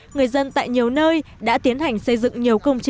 người dân tại nhiều nơi đã tiến hành xây dựng nhiều công trình